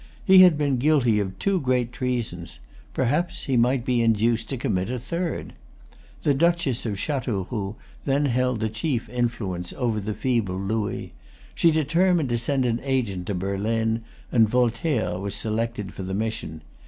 He had been guilty of two great treasons: perhaps he might be induced to commit a third. The Duchess of Chateauroux then held the chief influence over the feeble Louis. She determined to send an agent to Berlin; and Voltaire was selected for the mission.